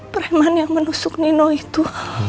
preman yang menusuk nino itu